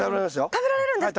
食べられるんですか？